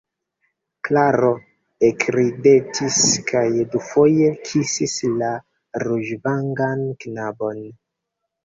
Klaro ekridetis kaj dufoje kisis la ruĝvangan knabon.